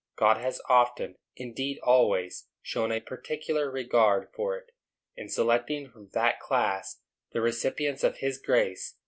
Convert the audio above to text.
God has often, indeed always, shown a particular regard for it, in selecting from that class the recipients of his grace.